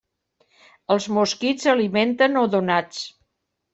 Els mosquits alimenten odonats.